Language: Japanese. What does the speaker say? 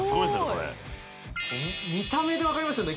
これ見た目で分かりますよね